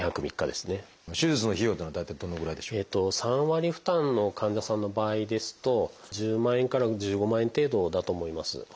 ３割負担の患者さんの場合ですと１０万円から１５万円程度だと思います。